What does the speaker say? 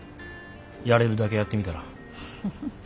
やれるだけやってみたら。